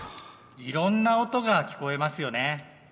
いろんな音が聞こえますよね。